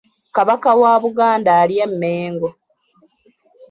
Kabaka wa Buganda ali eMengo.